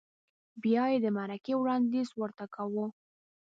بیا یې د مرکې وړاندیز ورته کاوه؟